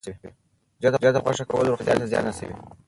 زیات غوښه کول روغتیا ته زیان رسوي.